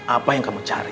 apa yang kamu cari